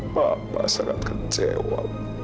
bapak sangat kecewa